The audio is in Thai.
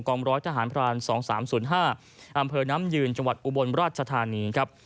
ร้อยทหารพราน๒๓๐๕อำเภอน้ำยืนจังหวัดอุบลราชธานีครับ